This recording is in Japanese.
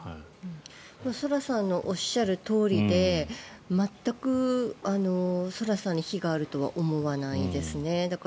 ＳＯＤＡさんのおっしゃるとおりで全くＳＯＤＡさんに非があるとは思わないですね。